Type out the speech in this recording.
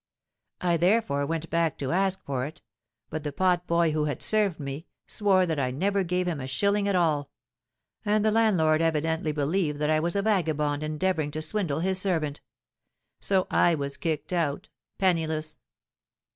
I therefore went back to ask for it; but the pot boy who had served me, swore that I never gave him a shilling at all; and the landlord evidently believed that I was a vagabond endeavouring to swindle his servant. So I was kicked out—penniless!